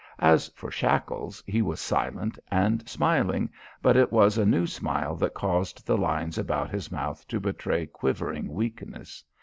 As for Shackles he was silent and smiling, but it was a new smile that caused the lines about his mouth to betray quivering weakness.